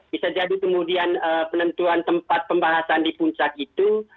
bisa jadi kemudian penentuan tempat pembahasan di puncak itu